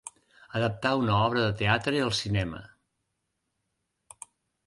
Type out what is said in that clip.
Adaptar una obra de teatre al cinema.